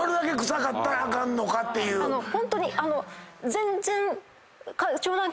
ホントに全然。